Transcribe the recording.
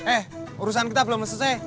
eh urusan kita belum selesai